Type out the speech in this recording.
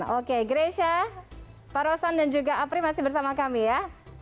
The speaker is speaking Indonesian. oke gresha pak rosan dan juga apri masih bersama kami ya